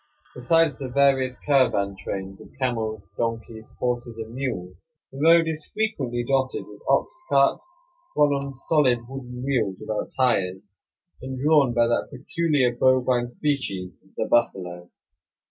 Besides the various caravan trains of camels, donkeys, horses, and mules, the road is frequently dotted with ox carts, run on solid wooden wheels without tires, and drawn by that peculiar bovine species, the buffalo.